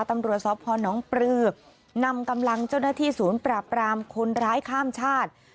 ตำรวจสพนปลือนำกำลังเจ้าหน้าที่ศูนย์ปราบรามคนร้ายข้ามชาติ